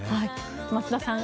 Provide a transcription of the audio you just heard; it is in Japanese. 増田さん。